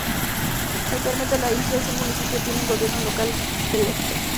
Actualmente, la isla es un municipio, tiene un gobierno local electo.